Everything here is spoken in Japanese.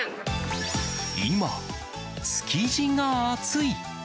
今、築地が熱い。